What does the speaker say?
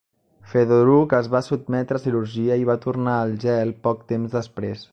Fedoruk es va sotmetre a cirurgia i va tornar al gel poc temps després.